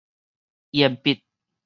延畢